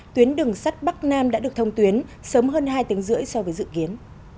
tuyến đường sắt bắc nam đã được thông tuyến sớm hơn hai tiếng rưỡi so với dự kiến